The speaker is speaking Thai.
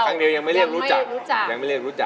ครั้งสองตอนหลายครั้งยังไม่เรียกรู้จัก